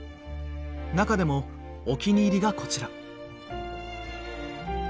中でもお気に入りがこちら。